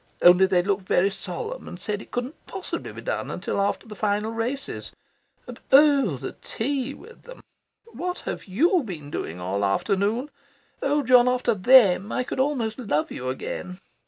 Only they looked very solemn and said it couldn't possibly be done till after the final races. And oh, the tea with them! What have YOU been doing all the afternoon? Oh John, after THEM, I could almost love you again.